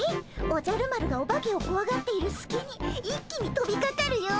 おじゃる丸がオバケをこわがっているすきに一気にとびかかるよ。